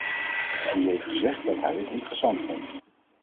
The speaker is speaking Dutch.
Die heeft gezegd dat hij het interessant vond.